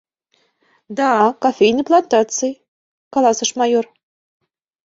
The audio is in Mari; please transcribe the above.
— Да, кофейный плантаций... — каласыш майор.